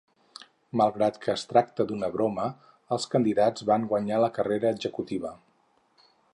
Malgrat que es tracta d'una broma, els candidats van guanyar la carrera executiva.